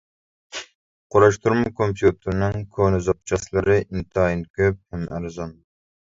قۇراشتۇرما كومپيۇتېرنىڭ كونا زاپچاسلىرى ئىنتايىن كۆپ ھەم ئەرزان.